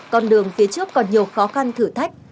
con đường phía trước còn nhiều khó khăn thử thách